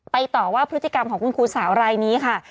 ต่อว่าพฤติกรรมของคุณครูสาวรายนี้ค่ะ